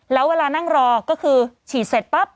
แล้วเวลานั่งรอก็คือฉีดเสร็จปั๊บ